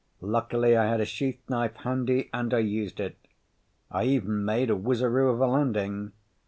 Luckily I had a sheath knife handy and I used it. I even made a whizeroo of a landing.